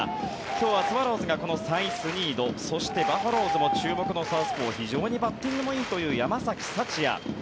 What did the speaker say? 今日はスワローズがこのサイスニードバファローズも非常に注目のサウスポー非常にバッティングもいいという山崎福也。